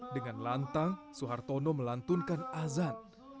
dengan lantang soehartono melantunkan azan